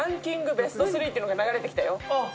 ベスト３っていうのが流れてきたよ。